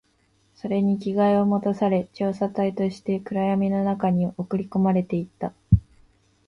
それに着替えを持たされ、調査隊として暗闇の中に送り込まれていった